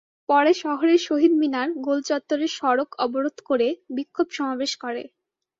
পরে শহরের শহীদ মিনার গোলচত্বরে সড়ক অবরোধ করে বিক্ষোভ সমাবেশ করে।